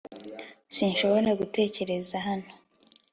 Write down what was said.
sinshobora gutegereza hano